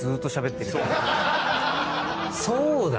そうだ！